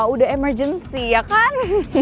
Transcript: udah emergency ya kan